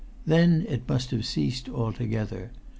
Then it must have ceased altogether.